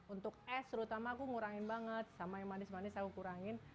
untuk es terutama aku ngurangin banget sama yang manis manis aku kurangin